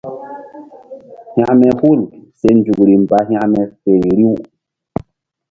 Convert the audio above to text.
Hekme hul se nzukri mba hekme feri riw.